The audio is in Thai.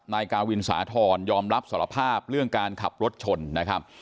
นายกาวินสาธรณ์ยอมรับสารภาพเรื่องการขับรถชนนะครับ